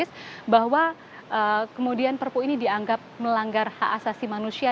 saya juga memiliki catatan bahwa kemudian perpu ini dianggap melanggar hak asasi manusia